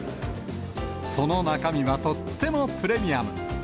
その中身は、とってもプレミアム。